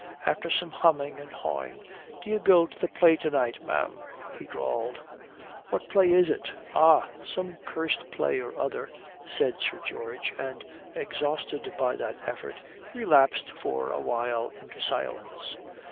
After some humming and hawing, "D'ye go to the play to night, ma'am?" he drawled. "What play is it?" "Ah some curst play or other," said Sir George; and exhausted by that effort relapsed for a while into silence.